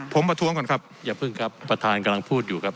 ผมประท้วงก่อนครับอย่าเพิ่งครับประธานกำลังพูดอยู่ครับ